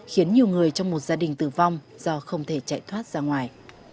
khiến nhiều người trong một gia đình tử vong do không thể chạy thoát ra ngoài